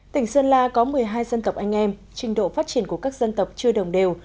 tỉnh sơn la có một mươi hai dân tộc anh em trình độ phát triển của các dân tộc chưa đồng đều